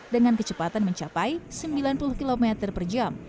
dengan kecepatan mencapai sembilan puluh km per jam